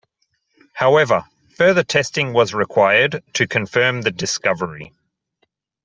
However, further testing was required to confirm the discovery.